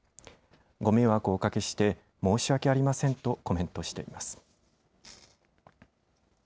ご迷惑をおかけして申し訳ありませんとコメントしています。